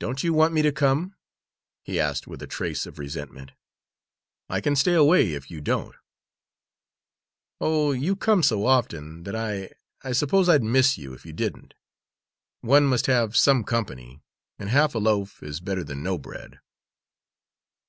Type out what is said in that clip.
"Don't you want me to come?" he asked with a trace of resentment. "I can stay away, if you don't." "Oh, you come so often that I I suppose I'd miss you, if you didn't! One must have some company, and half a loaf is better than no bread."